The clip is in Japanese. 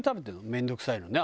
面倒くさいのにね